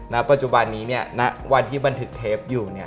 ณปัจจุบันนี้ณวันที่บันทึกเทปอยู่